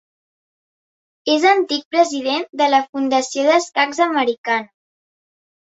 És antic president de la Fundació d'escacs americana.